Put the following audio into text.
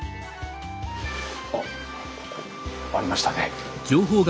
あっありましたね。